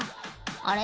あれ？